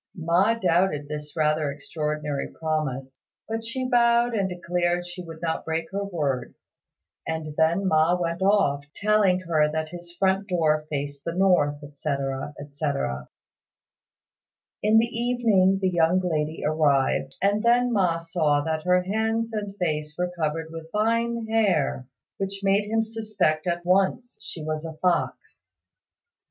Ma doubted this rather extraordinary promise, but she vowed and declared she would not break her word; and then Ma went off, telling her that his front door faced the north, etc., etc. In the evening the young lady arrived, and then Ma saw that her hands and face were covered with fine hair, which made him suspect at once she was a fox.